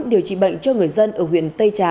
điều trị bệnh cho người dân ở huyện tây trà